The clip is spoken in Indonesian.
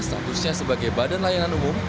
statusnya sebagai badan layanan umum